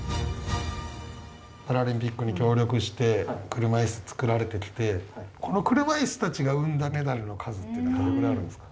パラリンピックに協力して車いす作られてきてこの車いすたちが生んだメダルの数っていうのはどれぐらいあるんですか？